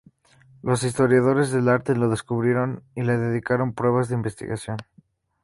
Los historiadores del arte lo descubrieron y le dedicaron pruebas de investigación.